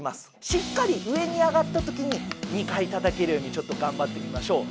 しっかり上に上がったときに２回たたけるようにちょっとがんばってみましょう。